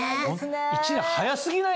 一年早過ぎない？